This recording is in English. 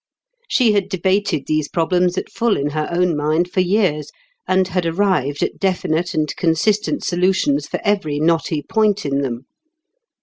She had debated these problems at full in her own mind for years, and had arrived at definite and consistent solutions for every knotty point in them.